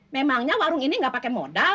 memangnya warung ini nggak pakai modal